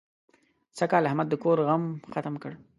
سږکال احمد د کور غم ختم کړ.